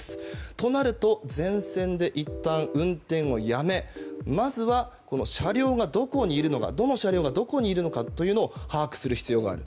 となると全線でいったん運転をやめまずはどの車両がどこにいるのかというのを把握する必要がある。